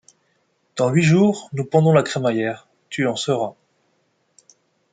Dans huit jours, nous pendons la crémaillère, tu en seras...